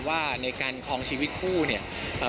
ว่าในการคลองชีวิตคู่เนี่ย